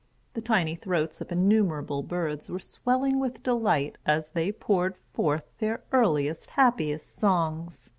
The tiny throats of innumerable birds were swelling with delight as they poured forth their earliest, happiest songs.